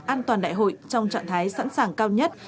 an toàn đại hội trong trạng thái sẵn sàng cao nhất